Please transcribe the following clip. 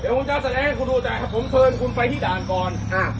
ผมจะแสดงให้คุณดูแต่ผมเชิญคุณไปที่ด่านก่อน